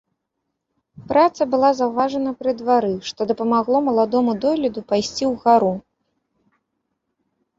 Праца была заўважана пры двары, што дапамагло маладому дойліду пайсці ўгару.